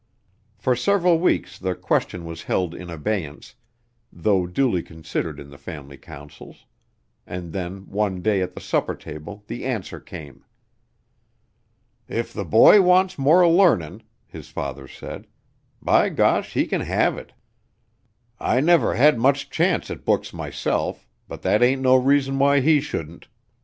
For several weeks the question was held in abeyance, though duly considered in the family councils; and then one day at the supper table the answer came. "If the boy wants more learnin'," his father said, "by gosh, he can have it. I never had much chance at books myself, but that ain't no reason why he shouldn't.